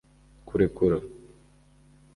kurekura